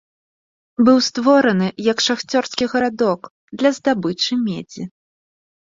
Быў створаны як шахцёрскі гарадок для здабычы медзі.